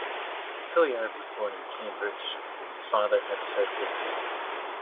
Tillyard was born in Cambridge, where his father had served as mayor.